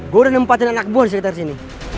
gue udah nempatin anak buah di sekitar sini